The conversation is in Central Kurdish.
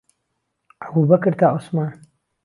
عهبووبهکر تا عوسمان